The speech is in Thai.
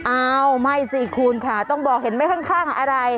อ้าวไม่สิคุณค่ะต้องบอกเห็นไหมข้างอะไร